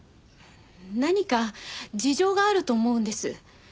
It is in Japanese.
何か事情があると思うんです。